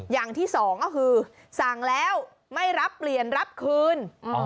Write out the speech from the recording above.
อย่างที่สองก็คือสั่งแล้วไม่รับเปลี่ยนรับคืน